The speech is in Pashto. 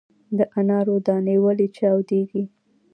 د انارو دانې ولې چاودیږي؟